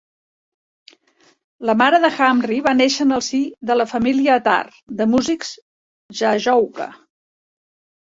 La mare de Hamri va néixer en el si de la família Attar, de músics jajouka.